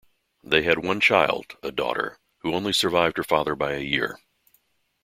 They had one child, a daughter, who only survived her father by a year.